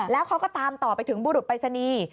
แล้วเขาก็ตามต่อไปถึงบุรุษปรายศนีย์